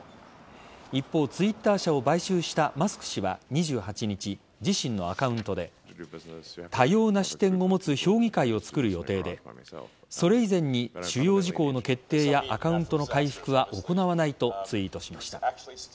一方、Ｔｗｉｔｔｅｒ社を買収したマスク氏は２８日自身のアカウントで多様な視点を持つ評議会を作る予定でそれ以前に主要事項の決定やアカウントの回復は行わないとツイートしました。